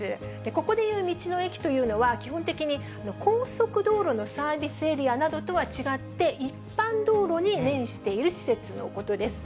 ここでいう道の駅というのは、基本的に高速道路のサービスエリアなどとは違って、一般道路に面している施設のことです。